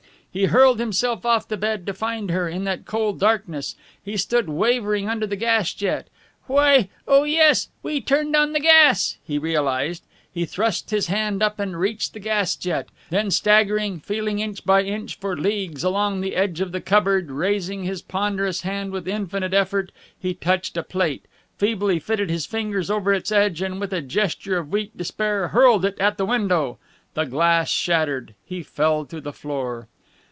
He hurled himself off the bed, to find her, in that cold darkness. He stood wavering under the gas jet. "Why oh, yes, we turned on the gas!" he realized. He thrust his hand up and reached the gas jet. Then, staggering, feeling inch by inch for leagues along the edge of the cupboard, raising his ponderous hand with infinite effort, he touched a plate, feebly fitted his fingers over its edge, and with a gesture of weak despair hurled it at the window. The glass shattered. He fell to the floor.